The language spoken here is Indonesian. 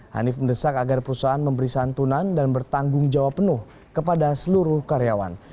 hanif mendesak agar perusahaan memberi santunan dan bertanggung jawab penuh kepada seluruh karyawan